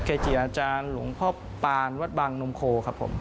เกจิอาจารย์หลวงพ่อปานวัดบางนมโคครับผม